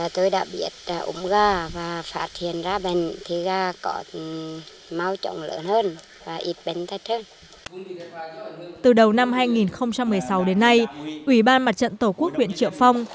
từ đầu năm hai nghìn một mươi sáu đến nay ủy ban mặt trận tổ quốc huyện triệu phong